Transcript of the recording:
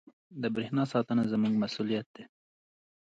• د برېښنا ساتنه زموږ مسؤلیت دی.